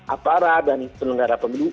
aparat dan penelenggara pemilu